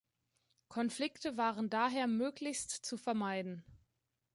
Konflikte waren daher möglichst zu vermeiden.